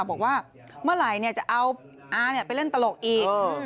บอกว่าเมื่อไหร่จะเอาอาไปเล่นตลกอีก